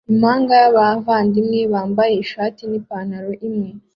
Impanga bavandimwe bambaye ishati nipantaro imwe